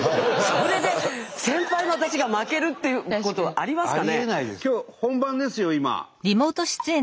それで先輩の私が負けるっていうことはありますかね？